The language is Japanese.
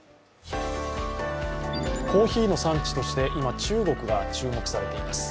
コーヒーの産地として今、中国が注目されています。